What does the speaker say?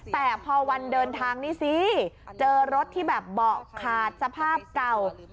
แต่พอวันเดินทางนี่สิเจอรถที่แบบเบาะขาดสภาพเก่า